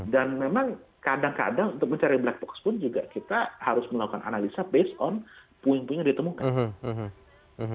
dan memang kadang kadang untuk mencari black box pun juga kita harus melakukan analisa based on poin poin yang ditemukan